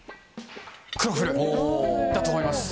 クロッフルだと思います。